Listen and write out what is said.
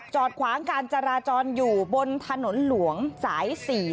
ขวางการจราจรอยู่บนถนนหลวงสาย๔